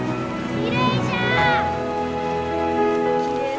きれいじゃのう！